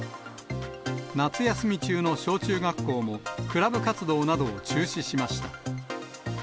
夏休み中の小中学校も、クラブ活動などを中止しました。